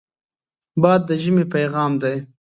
باد د ژمې پیغام دی